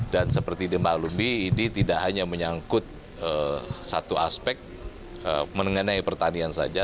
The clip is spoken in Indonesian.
dan seperti di malumbi ini tidak hanya menyangkut satu aspek mengenai pertanian saja